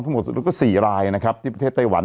หมดสุดแล้วก็๔รายนะครับที่ประเทศไต้หวัน